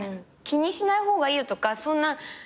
気にしない方がいいよとかそんな。